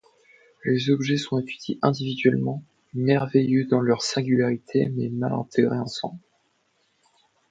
Les objets sont étudiés individuellement, merveilleux dans leur singularité mais mal intégrés ensemble.